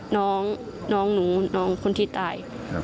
น้องหนูน้องคนที่ตาย